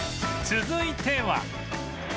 続いては